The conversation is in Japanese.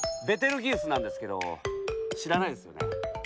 ベテルギウスなんですけど知らないですよね。